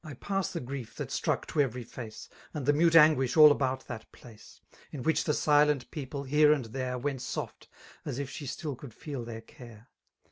I pass the grief that struck to every face. And the mute anguish all about that place. In which the silent pe<^le, here an4 there. Went soft, aa if she still oovld feel their care.